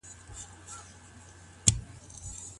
آیا ميرمن په حضر کي د خپلي شپې هبه کولای سي؟